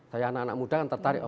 kayak anak anak muda kan tertarik